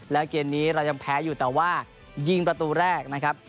แล้วเกมนี้เรายังแพ้อยู่แต่ว่ายิงประตูแรกนะครับ